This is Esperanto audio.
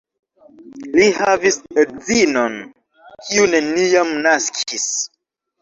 Li havis edzinon, kiu neniam naskis.